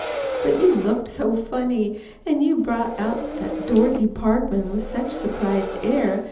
But you looked so funny, and you brought out that 'Dorothy Parkman' with such a surprised air.